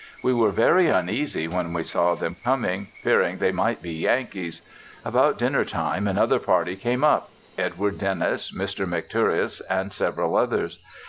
We were very uneasy when we saw them coming, fearing that they might be Yankees. About dinner time another party came up, Edward Dennis, Mr. McTureous and several others.